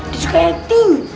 dia suka acting